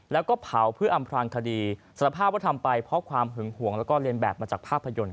แล้วก็เผาเพื่ออำพลางคดีสารภาพว่าทำไปเพราะความหึงห่วงแล้วก็เรียนแบบมาจากภาพยนตร์